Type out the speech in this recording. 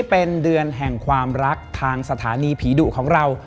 เป็นเดือนแห่งความรักทางสถานีผีดุของเรา